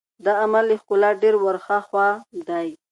دا عمل له ښکلا ډېر ور هاخوا دی.